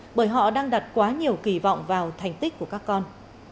bởi họ đang đặt quá nhiều kỳ vọng vào thành tích của các con